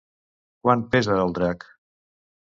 Quant pesa el drac?